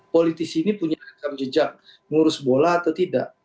politisi ini punya kejam jejak mengurus bola atau tidak